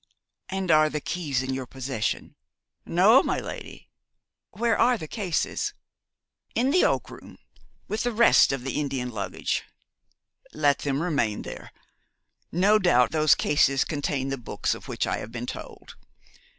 'And are the keys in your possession?' 'No, my lady.' 'Where are the cases?' 'In the Oak Room, with the rest of the Indian luggage.' 'Let them remain there. No doubt those cases contain the books of which I have been told.